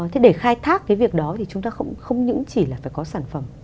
thế để khai thác cái việc đó thì chúng ta không những chỉ là phải có sản phẩm